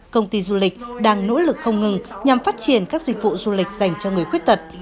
công ty du lịch đang nỗ lực không ngừng nhằm phát triển các dịch vụ du lịch dành cho người khuyết tật